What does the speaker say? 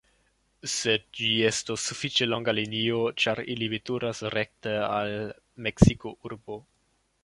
Sed ĝi estos sufiĉe longa linio, ĉar ili veturas rekte al Meksiko-urbo.